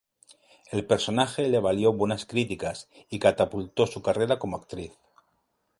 El personaje le valió buenas críticas y catapultó su carrera como actriz.